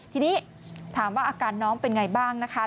ทีนี้ถามว่าอาการน้องเป็นไงบ้างนะคะ